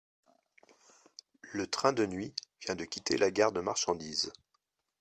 Le train de nuit vient de quitter la gare de marchandise.